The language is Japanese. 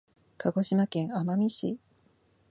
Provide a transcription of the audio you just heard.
鹿児島県奄美市